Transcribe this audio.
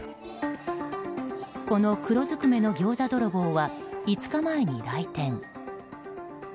この黒ずくめのギョーザ泥棒は５日前に来店。